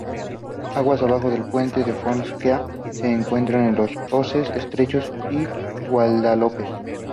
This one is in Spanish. Aguas abajo del Puente de Fonseca, se encuentran las hoces o estrechos del Guadalope.